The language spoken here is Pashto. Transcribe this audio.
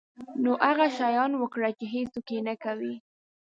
نو هغه شیان وکړه چې هیڅوک یې نه کوي.